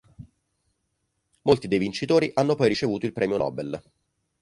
Molti dei vincitori hanno poi ricevuto il premio Nobel.